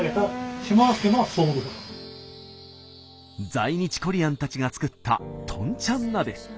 在日コリアンたちが作ったとんちゃん鍋。